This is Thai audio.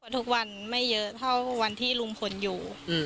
ทุกวันไม่เยอะเท่าวันที่ลุงพลอยู่